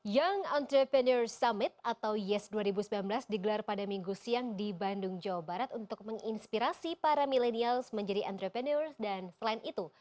young entrepreneur summit atau yes dua ribu sembilan belas digelar pada minggu siang di bandung jawa barat untuk menginspirasi para milenials menjadi entrepreneur dan selain itu